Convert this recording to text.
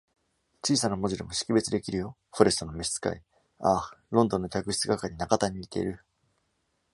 小さな文字でも識別できるよ。Forrest の召使。ああ、ロンドンの客室係中田に似ている。